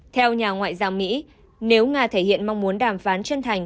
theo nhà ngoại giao mỹ nếu nga thể hiện mong muốn đàm phán chân thành